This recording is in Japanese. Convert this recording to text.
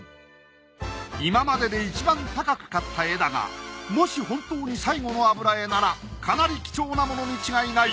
今まででいちばん高く買った絵だがもし本当に最後の油絵ならかなり貴重なものに違いない。